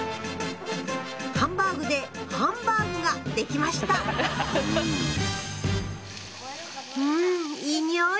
ハンバーグでハンバーグができましたうんいい匂い！